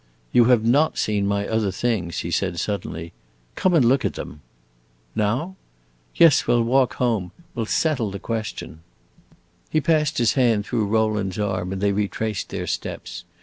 "You have not seen my other things," he said suddenly. "Come and look at them." "Now?" "Yes, we 'll walk home. We 'll settle the question." He passed his hand through Rowland's arm and they retraced their steps.